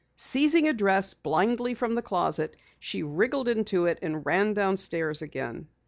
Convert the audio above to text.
Seizing a dress blindly from the closet, she wriggled into it and ran downstairs again.